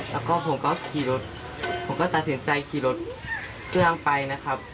แล้วก็ผมก็ขี่รถผมก็ตัดสินใจขี่รถเครื่องไปนะครับ